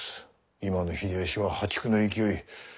今の秀吉は破竹の勢い。